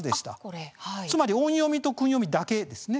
つまり音読みと訓読みだけなんです。